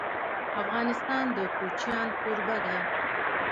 افغانستان د کوچیان کوربه دی.